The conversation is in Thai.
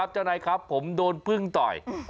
เจ้านายครับผมโดนพึ่งต่อย